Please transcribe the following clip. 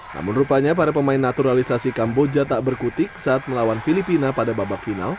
namun rupanya para pemain naturalisasi kamboja tak berkutik saat melawan filipina pada babak final